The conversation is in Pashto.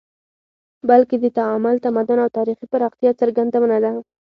بلکې د تعامل، تمدن او تاریخي پراختیا څرګندونه ده